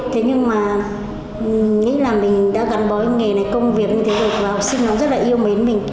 thế nhưng mà nghĩ là mình đã gắn bói nghề này công việc như thế và học sinh nó rất là yêu mến mình